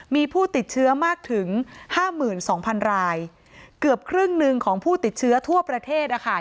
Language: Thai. มีผู้ติดเชื้อมากถึง๕๒๐๐๐รายเกือบครึ่งหนึ่งของผู้ติดเชื้อทั่วประเทศนะคะ